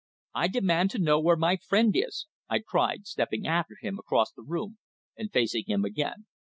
"I demand to know where my friend is!" I cried, stepping after him across the room, and facing him again.